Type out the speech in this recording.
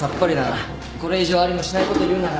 これ以上ありもしないこと言うなら。